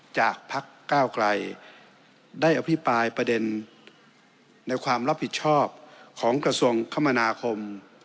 จากพักก้าวไกลได้อภิปรายประเด็นในความรับผิดชอบของกระทรวงคมนาคม